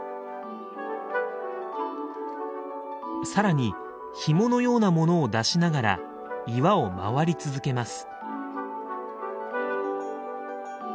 更にひものようなものを出しながら岩を回り続けます。